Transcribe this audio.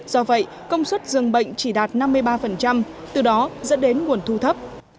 do vậy công suất dường bệnh chỉ đạt năm mươi ba từ đó dẫn đến nguồn thu thấp